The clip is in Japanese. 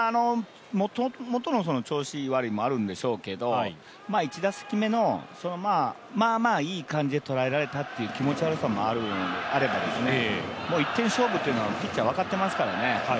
もともとの調子悪いもあるんでしょうけど１打席目のまあまあいい感じで捉えられたという気持ち悪さもあればもう一点勝負というのはピッチャー分かってますからね